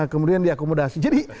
kemudian diakomodasi jadi